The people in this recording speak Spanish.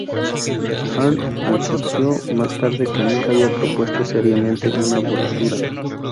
Arndt insistió más tarde que nunca había propuesto seriamente una voladura.